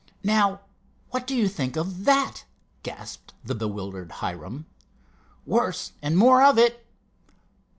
"Now what do you think of that?" gasped the bewildered Hiram. "Worse, and more of it!"